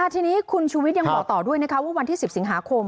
ทีนี้คุณชูวิทย์ยังบอกต่อด้วยว่าวันที่๑๐สิงหาคม